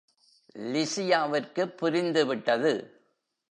லிசியாவிற்கு புரிந்து விட்டது.